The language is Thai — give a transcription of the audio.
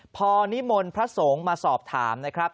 พอนิมนต์พระสงฆ์มาสอบถามนะครับ